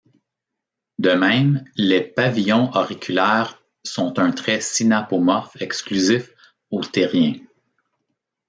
De même, les pavillons auriculaires sont un trait synapomorphe exclusif aux thériens.